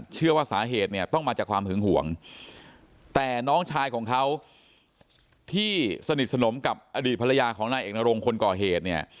เชื่อว่าสาเหตุเนี่ยต้องมาจากความหึงห่วงแต่น้องชายของเขาที่สนิทสนมกับอดีตภรรยาของนายเอกนรงคนก่อเหตุเนี่ย